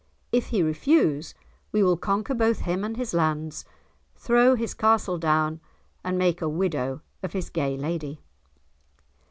If he refuse, we will conquer both him and his lands, throw his castle down, and make a widow of his gay lady."